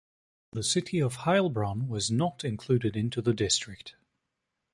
The city of Heilbronn was not included into the district.